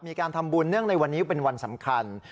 มีการทำบุญเนื่องในวันนี้เป็นวันสำคัญ